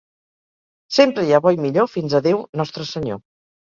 Sempre hi ha bo i millor fins a Déu Nostre Senyor.